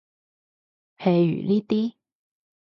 譬如呢啲